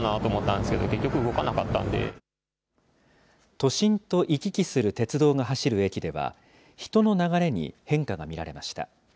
都心と行き来する鉄道が走る駅では人の流れに変化が見られました。